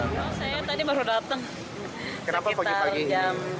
saya tadi baru datang sekitar jam